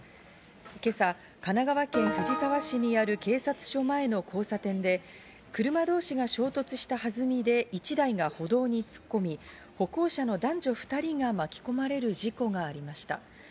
今朝、神奈川県藤沢市にある警察署前の交差点で、車同士が衝突した弾みで１台が歩道に突っ込み、歩行者の男女２人が巻き込まれる事故がありました。